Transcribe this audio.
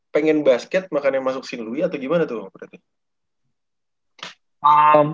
pengen basket makanya masuk sinlui atau gimana tuh